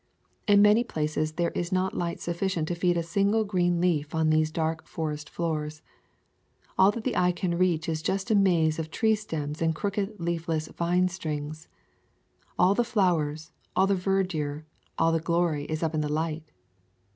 In many places there is not light suffi cient to feed a single green leaf on these dark forest floors. All that the eye can reach is just a maze of tree stems and crooked leafless vine strings. All the flowers, all the verdure, all the glory is up in the light.